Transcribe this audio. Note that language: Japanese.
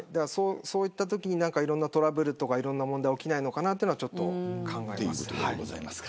そういったときにトラブルとかいろんな問題起きないのかというのはちょっと考えます。